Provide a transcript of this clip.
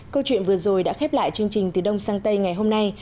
câu chuyện vừa rồi đã khép lại chương trình từ đông sang tây ngày hôm nay